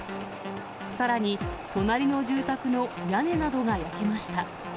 さらに、隣の住宅の屋根などが焼けました。